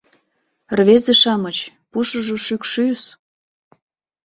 — Рвезе-шамыч, пушыжо шӱкшӱс!